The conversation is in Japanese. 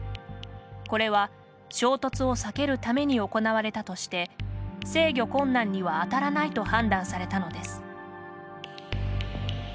これは衝突を避けるために行われたとして制御困難には当たらないと判断されたのです。